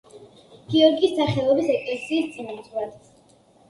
გიორგის სახელობის ეკლესიის წინამძღვრად.